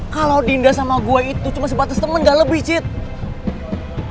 kalau diindah sama gue itu cuma sebatas temen gak lebih cit